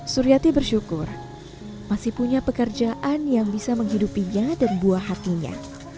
suryati bersyukur masih punya pekerjaan yang bisa menghidupinya dan buah hatinya